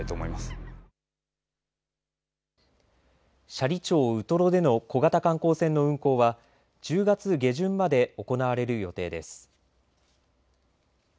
斜里町ウトロでの小型観光船の運航は１０月下旬まで行われる予定です。